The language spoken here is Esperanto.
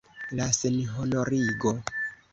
La senhonorigo!